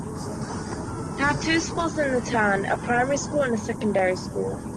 There are two schools in the town, a primary school and a secondary school.